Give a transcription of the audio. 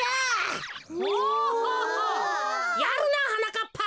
やるなはなかっぱ。